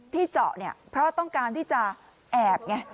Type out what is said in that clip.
ที่เจาะเนี่ยเพราะต้องการที่จะแอบไง